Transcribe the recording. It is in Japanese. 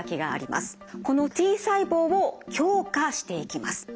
このＴ細胞を強化していきます。